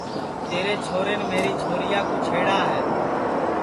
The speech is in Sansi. تیرے چھورین میری چھوریا کُو چھیڑا ہے